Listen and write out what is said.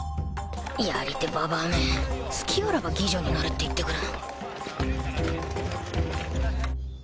やり手婆め隙あらば妓女になれって言ってくる